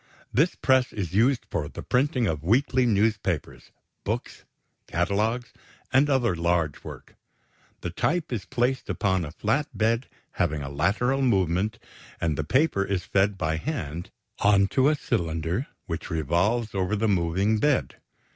This press is used for the printing of weekly newspapers, books, catalogues, and other large work. The type is placed upon a flat bed having a lateral movement, and the paper is fed by hand onto a cylinder which revolves over the moving bed.